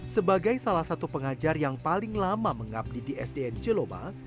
sebagai salah satu pengajar yang paling lama mengabdidi sdn celoma